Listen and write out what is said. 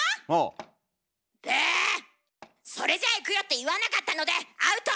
「それじゃいくよ」って言わなかったのでアウト！